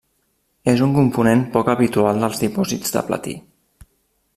És un component poc habitual dels dipòsits de platí.